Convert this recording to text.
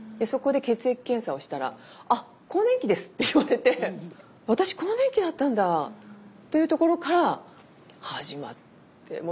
そこで血液検査をしたら「あっ更年期です」って言われて「私更年期だったんだ」というところから始まって。